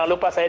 salam pak farid